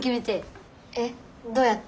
えっどうやって？